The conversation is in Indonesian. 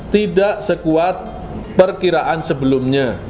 tidak sekuat perkiraan sebelumnya